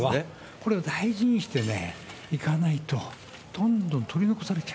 これを大事にしていかないと、どんどん取り残されちゃう。